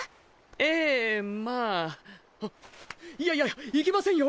ええまあいやいやいけませんよ